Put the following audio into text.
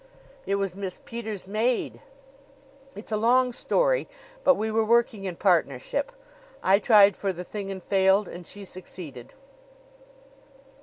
"It was Miss Peters' maid. It's a long story; but we were working in partnership. I tried for the thing and failed, and she succeeded."